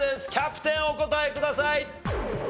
キャプテンお答えください。